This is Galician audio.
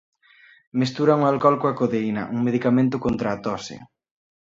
Mesturan o alcol coa codeína, un medicamento contra a tose.